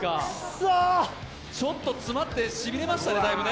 ちょっと詰まって、だいぶしびれましたね。